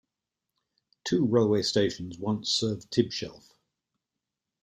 Two railway stations once served Tibshelf.